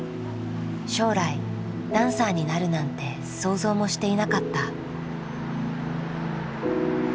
将来ダンサーになるなんて想像もしていなかった。